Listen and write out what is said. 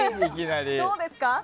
どうですか？